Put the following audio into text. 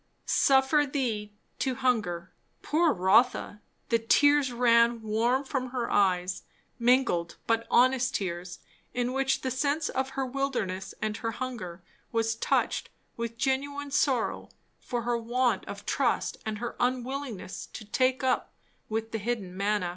"Suffered thee to hunger." Poor Rotha! the tears ran warm from her eyes, mingled but honest tears, in which the sense of her wilderness and her hunger was touched with genuine sorrow for her want of trust and her unwillingness to take up with the hidden manna.